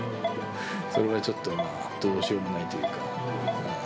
それはちょっとどうしようもないというか。